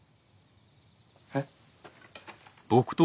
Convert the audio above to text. えっ？